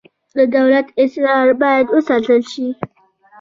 د دولت اسرار باید وساتل شي